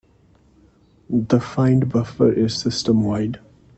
The find buffer is system wide.